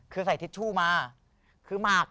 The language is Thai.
คือใส่ทิชชู่มาคือหมาก